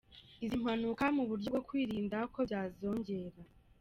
izi mpanuka mu buryo bwo kwirinda ko byazongera.